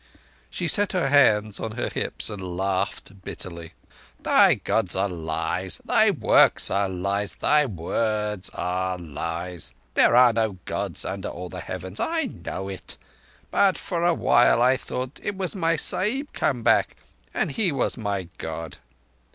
She set her hands on her hips and laughed bitterly. "Thy Gods are lies; thy works are lies; thy words are lies. There are no Gods under all the Heavens. I know it ... But for awhile I thought it was my Sahib come back, and he was my God.